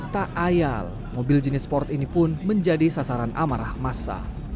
tak ayal mobil jenis sport ini pun menjadi sasaran amarah masa